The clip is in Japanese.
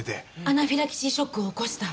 アナフィラキシーショックを起こした。